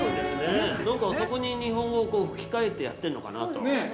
◆何かそこに日本語を吹きかえてやっているのかなと。